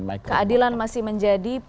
my group keadilan masih menjadi